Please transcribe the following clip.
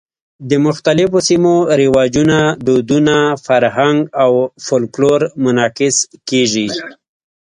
د مختلفو سیمو رواجونه، دودونه، فرهنګ او فولکلور منعکس کېږي.